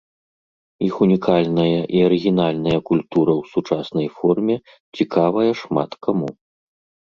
Іх унікальная і арыгінальная культура ў сучаснай форме цікавая шмат каму.